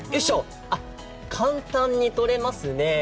あ、簡単に取れますね。